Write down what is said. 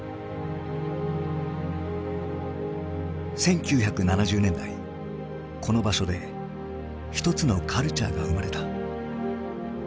１９７０年代この場所で一つのカルチャーが生まれた。